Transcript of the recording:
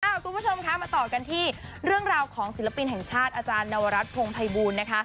สวัสดีครับคุณผู้ชมมาต่อกันที่เรื่องราวของศิลปินแห่งชาติอาจารย์นวรัฐพรงภัยบูรณ์